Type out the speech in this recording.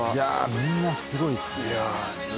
みんなすごいっすね。